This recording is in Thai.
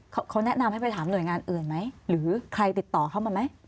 เขาเขาแนะนำให้ไปถามหน่วยงานอื่นไหมหรือใครติดต่อเข้ามาไหม